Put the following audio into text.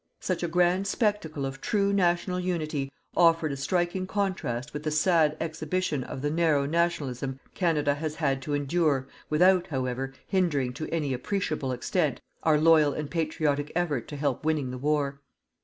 Such a grand spectacle of true national unity offered a striking contrast with the sad exhibition of the narrow Nationalism Canada has had to endure without, however, hindering to any appreciable extent our loyal and patriotic effort to help winning the war.